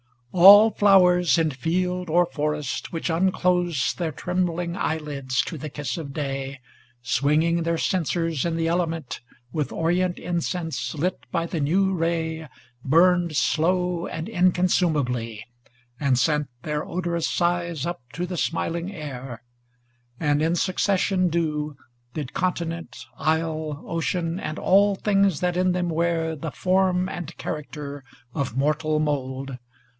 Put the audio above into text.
All flowers in field or forest, which unclose Their trembling eyelids to the kiss of day, Swinging their censers in the element, u With orient incense lit by the new ray Burned slow and inconsumably, and sent Their odorous sighs up to the smiling air; And, in succession due, did continent. Isle, ocean, and all things that in them wear The form and character of mortal mould.